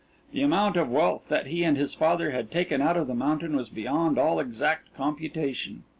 The amount of wealth that he and his father had taken out of the mountain was beyond all exact computation.